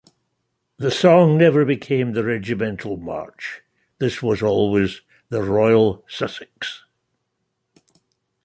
The song never became the regimental march: this was always "The Royal Sussex".